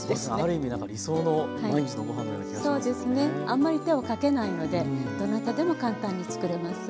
あんまり手をかけないのでどなたでも簡単に作れます。